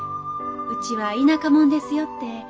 うちは田舎者ですよって。